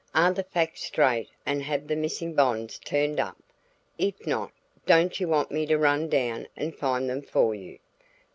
Are the facts straight and have the missing bonds turned up? If not, don't you want me to run down and find them for you?